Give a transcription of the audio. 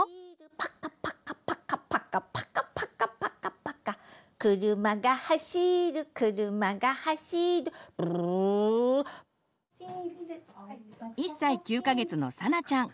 「パカパカパカパカパカパカパカパカ」「くるまがはしるくるまがはしる」「ブルルル」１歳９か月のさなちゃん。